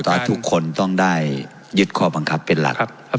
เพราะต่อทุกคนต้องได้ยึดข้อบังคับเป็นหลักครับ